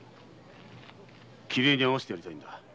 桐江に会わせてやりたいんだ。